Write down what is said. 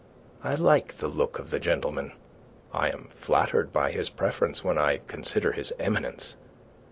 I like the look of the gentleman. I am flattered by his preference when I consider his eminence.